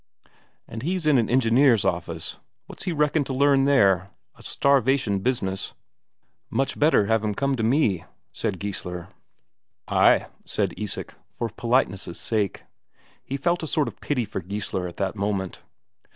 "And he's in an engineer's office what's he reckon to learn there? A starvation business. Much better have come to me," said Geissler. "Ay," said Isak, for politeness' sake. He felt a sort of pity for Geissler at the moment.